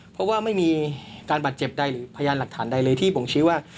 เพราะว่าไม่มีการบาดเจ็บใดหรือพยานหลักฐานใดเลยที่บ่งชี้ว่า